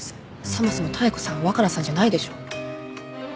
そもそも妙子さん若菜さんじゃないでしょ。